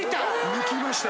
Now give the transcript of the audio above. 抜きました。